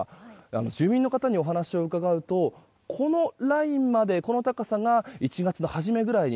住民の方にお話を伺うとこのラインまでが１月の初めぐらいまでに